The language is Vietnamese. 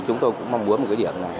chúng tôi cũng mong muốn một cái điểm này